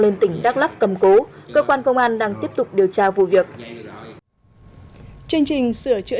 lên tỉnh đắk lắc cầm cố cơ quan công an đang tiếp tục điều tra vụ việc chương trình sửa chữa